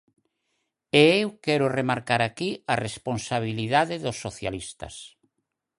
E eu quero remarcar aquí a responsabilidade dos socialistas.